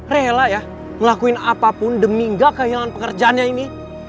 rela ya ngelakuin apapun demi gak kehilangan pekerjaannya ini